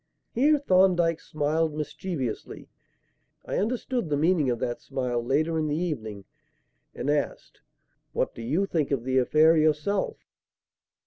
Here Thorndyke smiled mischievously I understood the meaning of that smile later in the evening and asked: "What do you think of the affair yourself?"